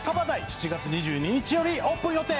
７月２２日よりオープン予定。